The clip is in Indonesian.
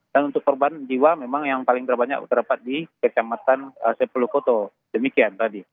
dan untuk korban jiwa memang yang paling terbanyak terdapat di kecamatan sepuluh koto demikian radhi